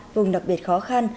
vùng đặc biệt khó khăn